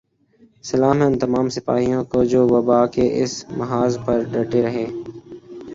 سلام ہے ان تمام سپاہیوں کو جو وبا کے اس محاذ پر ڈٹے رہے